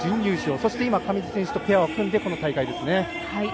そして今上地選手とペアを組んでこの大会。